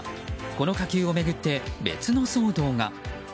この火球を巡って別の騒動が。